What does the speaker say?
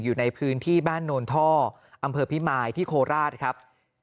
อยู่ในพื้นที่บ้านโนนท่ออำเภอพิมายที่โคราชครับ